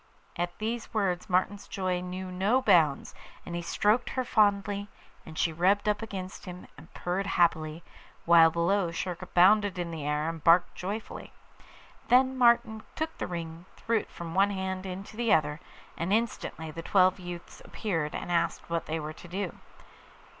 At these words Martin's joy knew no bounds, and he stroked her fondly, and she rubbed up against him and purred happily, while below Schurka bounded in the air, and barked joyfully. Then Martin took the ring, and threw it from one hand into the other, and instantly the twelve youths appeared and asked what they were to do.